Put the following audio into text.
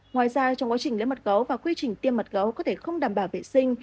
ngoài ra trong quá trình lấy mật gấu và quy trình tiêm mật gấu có thể không đảm bảo vệ sinh